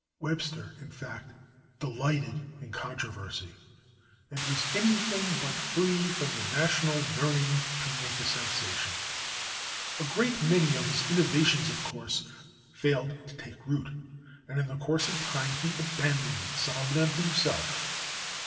Webster, in fact, delighted in controversy, and was anything but free from the national yearning to make a sensation. A great many of his innovations, of course, failed to take root, and in the course of time he abandoned some of them himself.